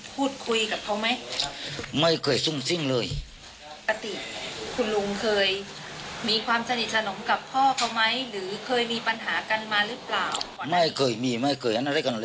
พอสิ้นเดียวสิ้นผมขายอยู่ที่นี่ซัก๘ปี